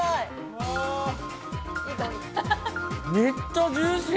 めっちゃジューシー！